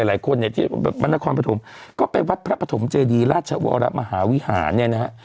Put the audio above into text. หลายคนแบบนานครภาษมณธรรมฯก็ไปวัดภาษมณธรรมเจดีย์ราชวรมหาวิหานี่นะครับ